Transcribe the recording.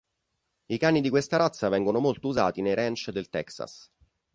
I cani di questa razza vengono molto usati nei ranch del Texas.